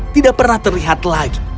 tidak pernah terlihat lagi